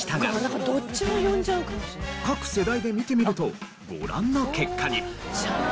各世代で見てみるとご覧の結果に。